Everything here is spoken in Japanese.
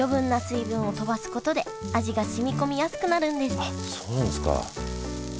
余分なあっそうなんですか。